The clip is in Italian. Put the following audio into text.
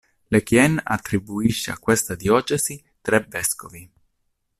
Lequien attribuisce a questa diocesi tre vescovi.